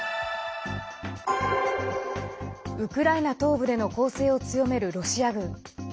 ウクライナ東部での攻勢を強めるロシア軍。